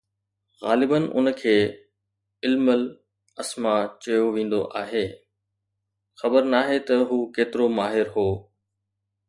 غالباً ان کي ”علم الاسماء“ چيو ويندو آهي، خبر ناهي ته هو ڪيترو ماهر هو.